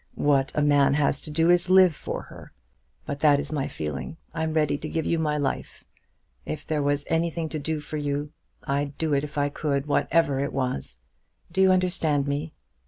What a man has to do is to live for her. But that is my feeling. I'm ready to give you my life. If there was anything to do for you, I'd do it if I could, whatever it was. Do you understand me?"